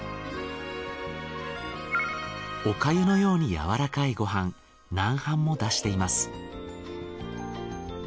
おかゆのようにやわらかいご飯軟飯も出しています。